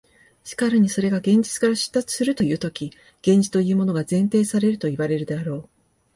しかるにそれが現実から出立するというとき、現実というものが前提されるといわれるであろう。